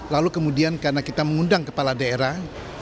lalu kemudian karena kita mengundang kepala daerah